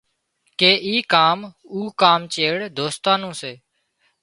ڪي اي ڪام او ڪام چار دوستان نُون سي